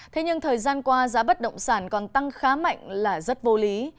thế nhưng thời gian qua giá bất động sản còn tăng khá mạnh là rất vô lý